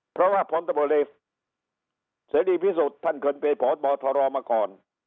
เพราะว่าพศเสรีรีย์พี่สุทธิ์ท่านเกิดไปพบตรมาก่อน